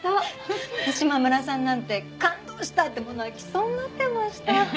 島村さんなんて感動したってもう泣きそうになってました。